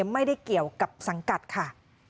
ไม่ได้เกี่ยวกับสังกัดค่ะ